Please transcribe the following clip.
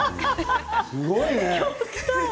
すごいね。